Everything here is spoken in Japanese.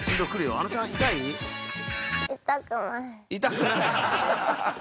痛くない？